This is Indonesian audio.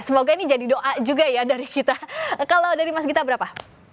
semoga ini jadi doa juga ya dari kita kalau dari mas gita berapa